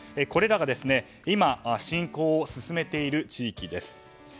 これらが今侵攻を進めている地域です。